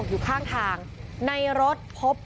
พวกมันต้องกินกันพี่